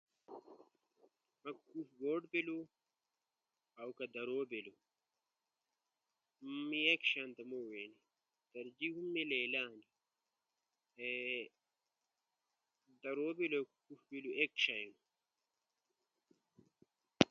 آسو گوٹ بیلو اؤ کہ درو بیلو، می ایک شانتا موڙے اینو، درو بیلو گݜے بیلو ایک شیئی ہنو،